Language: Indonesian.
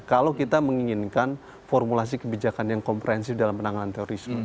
kalau kita menginginkan formulasi kebijakan yang komprehensif dalam penanganan terorisme